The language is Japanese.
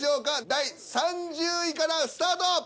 第３０位からスタート。